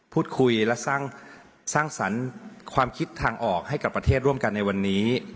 พูดคุยและสร้างสรรค์ความคิดทางออกให้กับประเทศร่วมกันในวันนี้